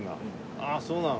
ああそうなの。